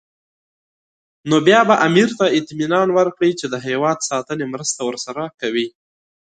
نو بیا به امیر ته اطمینان ورکړي چې د هېواد ساتنې مرسته ورسره کوي.